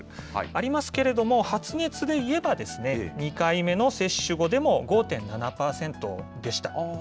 ありますけれども、発熱でいえばですね、２回目の接種後でも５．７％でした。